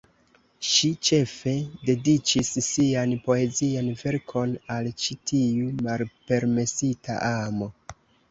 Ŝi ĉefe dediĉis sian poezian verkon al ĉi tiu malpermesita amo.